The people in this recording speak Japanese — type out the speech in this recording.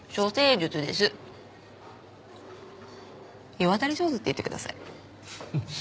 世渡り上手って言ってください。